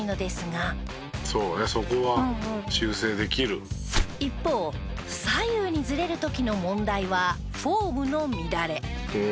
「そうね。そこは修正できる」一方左右にズレる時の問題はフォームの乱れ。